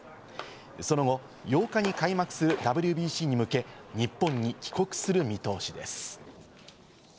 その後、８日に開幕するＷＢＣに向け、日本に帰国する見通しです。